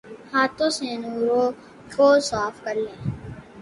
ہاتھوں سے نورہ کو صاف کرلیں